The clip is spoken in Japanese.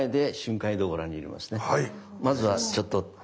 まずはちょっと。